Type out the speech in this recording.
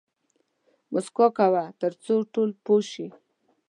موسکا کوه تر څو ټول پوه شي